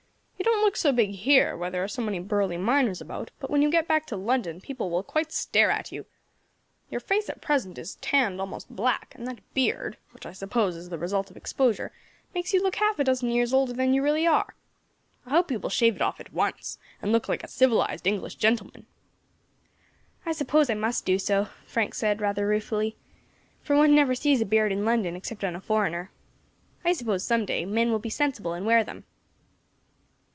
You don't look so big here, where there are so many burly miners about, but when you get back to London people will quite stare at you. Your face at present is tanned almost black, and that beard, which I suppose is the result of exposure, makes you look half a dozen years older than you really are. I hope you will shave it off at once, and look like a civilised English gentleman." "I suppose I must do so," Frank said, rather ruefully, "for one never sees a beard in London, except on a foreigner. I suppose some day men will be sensible and wear them."